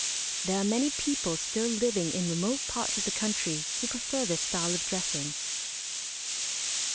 There are many people still living in remote parts of the country who prefer this style of dressing.